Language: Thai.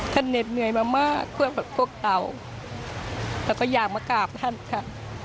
เหน็ดเหนื่อยมามากเพื่อแบบพวกเราแล้วก็อยากมากราบท่านค่ะ